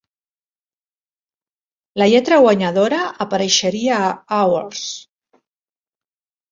La lletra guanyadora apareixeria a "Hours".